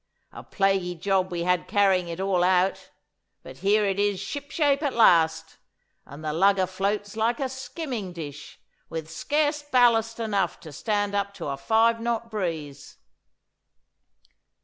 A plaguey job we had carrying it all out, but here it is ship shape at last, and the lugger floats like a skimming dish, with scarce ballast enough to stand up to a five knot breeze.